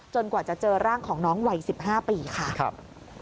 กว่าจะเจอร่างของน้องวัย๑๕ปีค่ะ